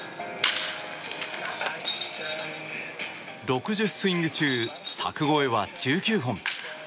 ６０スイング中柵越えは１９本。